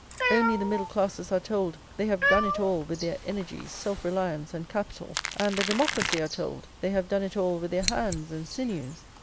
Only the middle classes are told they have done it all with their energy, self reliance, and capital, and the democracy are told they have done it all with their hands and sinews.